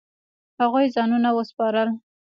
هغوی ځانونه وسپارل.